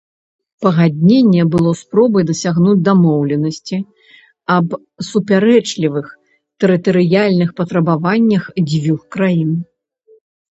Пагадненне было спробай дасягнуць дамоўленасці аб супярэчлівых тэрытарыяльных патрабаваннях дзвюх краін.